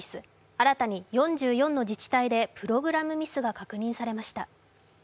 新たに４４の自治体でプログラムミスが確認されました。